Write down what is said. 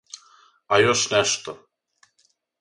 А још нешто.